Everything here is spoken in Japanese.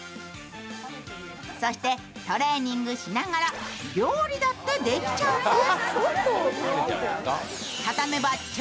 そしてトレーニングしながら料理だってできちゃうんです。